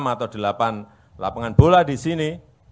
enam atau delapan lapangan bola di sini